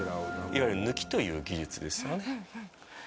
いわゆる貫という技術ですよね。